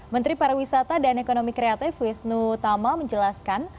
menteri pariwisata dan ekonomi kreatif wisnu tama menjelaskan